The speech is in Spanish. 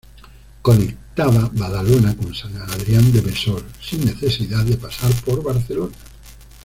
Conectaba Badalona con San Adrián de Besós sin necesidad de pasar por Barcelona.